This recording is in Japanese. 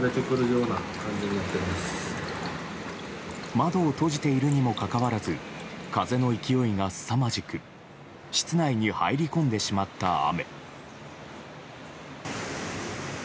窓を閉じているにもかかわらず風の勢いがすさまじく室内に入り込んでしまった雨。